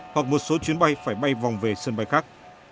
hoặc một số chuyến bay phải bay vòng về sân bay khác